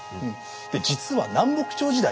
実は南北朝時代